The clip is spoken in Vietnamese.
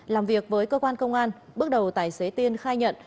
làm việc với cơ quan công an bước đầu tài xế tiên khai nhận